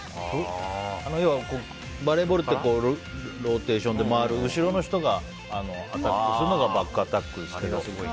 要は、バレーボールってローテーションで回って後ろの人がアタックするのがバックアタックですけど。